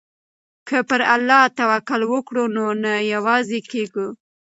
که پر الله توکل وکړو نو نه یوازې کیږو.